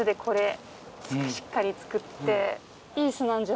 しっかり作って。